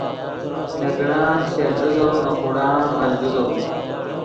نے کڑان شل ڤیزو نے خوڑان غل ڤیزو